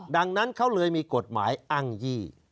ดังนั้นเขาเลยมีกฎหมายอ้างยี่